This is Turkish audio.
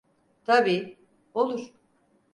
Tabii, olur.